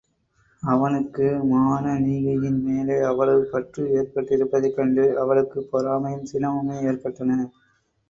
அவனுக்கு மானனீகையின் மேலே அவ்வளவு பற்று ஏற்பட்டிருப்பதைக் கண்டு அவளுக்குப் பொறாமையும் சினமுமே ஏற்பட்டன.